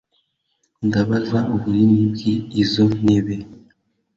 Ndabaza ubunini bw’izo ntebe